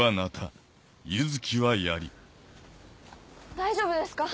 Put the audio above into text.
大丈夫ですか？